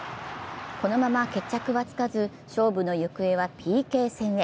このまま決着はつかず、勝負の行方はＰＫ戦へ。